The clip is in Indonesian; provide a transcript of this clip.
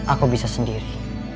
aku bisa sendiri